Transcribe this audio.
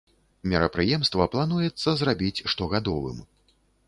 Мерапрыемства плануецца зрабіць штогадовым.